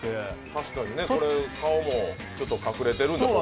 確かに顔もちょっと隠れてる。